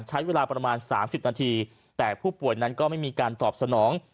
ใช้เวลาประมาณ๓๐นาทีแต่ผู้ป่วยนั้นก็ไม่มีการตอบสนอง